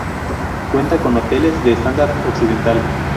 Cuenta con hoteles de estándar occidental.